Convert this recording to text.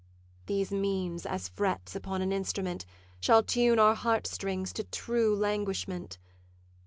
These means, as frets upon an instrument, Shall tune our heart strings to true languishment.